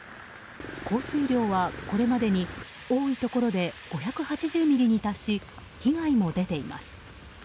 降水量はこれまでに多いところで５８０ミリに達し被害も出ています。